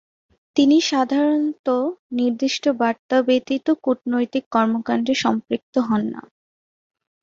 তিনি সাধারণতঃ নির্দিষ্ট বার্তা ব্যতীত কূটনৈতিক কর্মকাণ্ডে সম্পৃক্ত হন না।